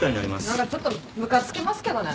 何かちょっとムカつきますけどね。